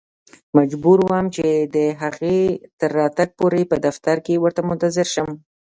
مجبور وم چې د هغې تر راتګ پورې په دفتر کې ورته منتظر شم.